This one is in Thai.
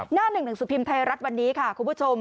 หน้าหนึ่งหนังสือพิมพ์ไทยรัฐวันนี้ค่ะคุณผู้ชม